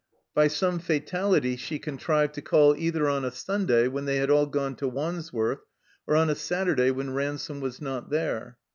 By some fatality she contrived to call either on a Sunday when they had all gone to Wandsworth or on a Saturday when Ransome was not there.